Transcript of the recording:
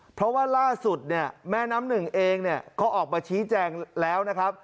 เพราะว่าล่าสุดเนี่ยแม่น้ำหนึ่งเองเนี่ยเขาออกมาชี้แจงแล้วนะครับ